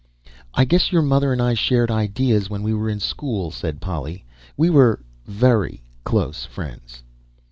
"I guess your mother and I shared ideas when we were in school," said Polly. "We were very close friends."